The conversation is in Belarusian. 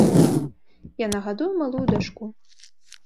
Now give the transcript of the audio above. Яна гадуе малую дачку.